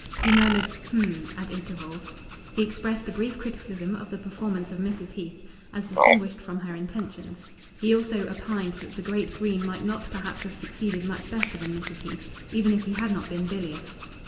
He murmured, "Hm!" at intervals. He expressed a brief criticism of the performance of Mrs. Heath, as distinguished from her intentions. He also opined that the great Greene might not perhaps have succeeded much better than Mrs. Heath, even if he had not been bilious.